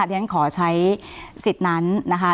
เรียนขอใช้สิทธิ์นั้นนะคะ